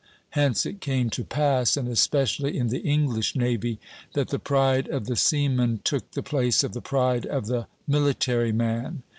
Hence it came to pass, and especially in the English navy, that the pride of the seaman took the place of the pride of the military man.